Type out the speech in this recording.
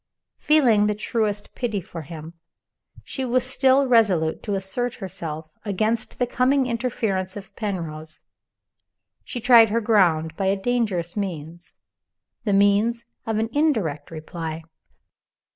Feeling the truest pity for him, she was still resolute to assert herself against the coming interference of Penrose. She tried her ground by a dangerous means the means of an indirect reply.